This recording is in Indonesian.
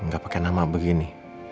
gak pake nama begini